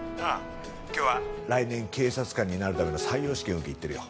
今日は来年警察官になるための採用試験受けに行ってるよ。